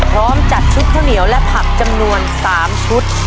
พร้อมจัดชุดข้าวเหนียวและผักจำนวน๓ชุด